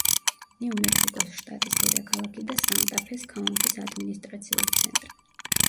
ნიუ-მექსიკოს შტატის დედაქალაქი და სანტა-ფეს ქაუნთის ადმინისტრაციული ცენტრი.